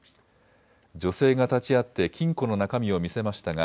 女性が立ち会って金庫の中身を見せましたが